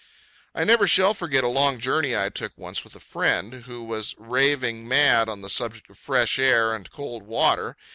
I never shall forget a long journey I took once with a friend who was raving mad on the subject of fresh air and cold water.